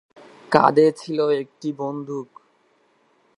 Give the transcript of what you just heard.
কাঁধে ছিল একটি বন্দুক।